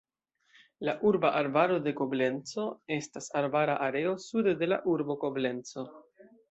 La urba arbaro de Koblenco estas arbara areo sude de la urbo Koblenco.